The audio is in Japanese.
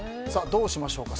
どうしましょうか。